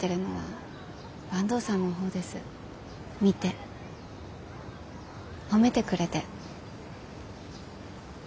見て褒めてくれて。